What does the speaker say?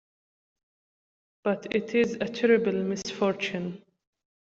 But it is a terrible misfortune.